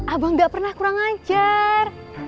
abang nggak pernah kurang ajar